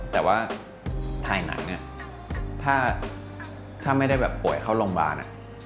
แต่ว่าถ่ายหนังถ้าไม่ได้แบบโปรดเป็นร้อนเมิมเข้าโรงบาล